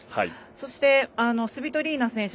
そしてスビトリナ選手